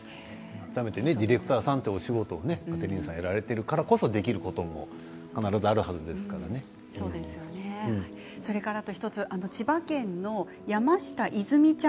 改めてディレクターさんというお仕事をカテリーナさんがやられているからこそできることも必ず千葉県の方からです。